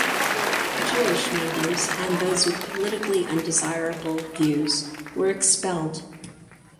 Jewish members and those with politically undesirable views were expelled.